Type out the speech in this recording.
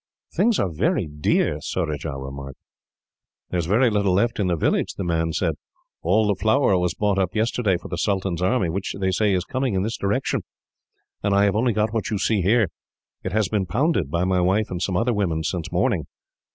"Things are very dear," Surajah remarked. "There is very little left in the village," the man said. "All the flour was bought up yesterday, for the sultan's army, which, they say, is coming in this direction; and I have only got what you see here. It has been pounded, by my wife and some other women, since morning."